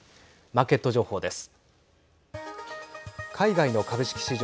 マーケット情報です。